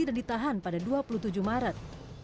dan ditahan pada dua puluh tujuh maret